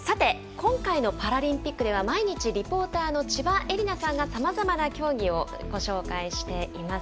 今回のパラリンピックでは毎日、リポーターの千葉絵里菜さんがさまざまな競技をご紹介しています。